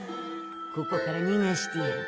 ここからにがしてやる。